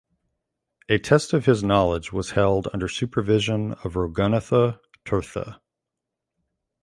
A test of his knowledge was held under supervision of Raghunatha Tirtha.